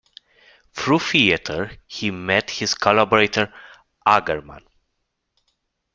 Through theater he met his collaborator Agerman.